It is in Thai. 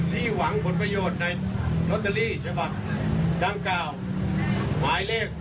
หวังผลประโยชน์ในลอตเตอรี่ฉบับดังกล่าวหมายเลข